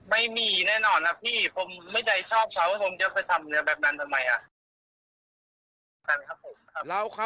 ไม่มีแน่นอนนะพี่ผมไม่ได้ชอบเขาว่าผมจะไปทำเนื้อแบบนั้นทำไมอ่ะ